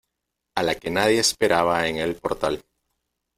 a la que nadie esperaba en el portal.